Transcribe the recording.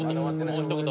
もうひと言。